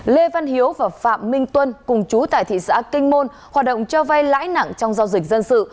lê văn hiếu và phạm minh tuân cùng chú tại thị xã kinh môn hoạt động cho vay lãi nặng trong giao dịch dân sự